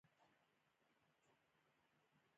افغانستان کې د طبیعي زیرمې د پرمختګ هڅې روانې دي.